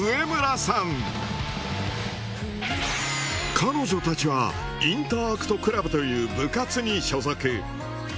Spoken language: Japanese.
彼女たちはインターアクトクラブという部活に所属。